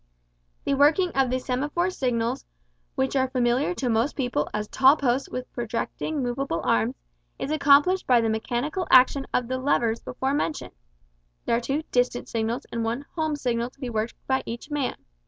The working of the semaphore signals, which are familiar to most people as tall posts with projecting moveable arms, is accomplished by the mechanical action of the "levers" before mentioned. There are two "distant" signals and one "home" signal to be worked by each man.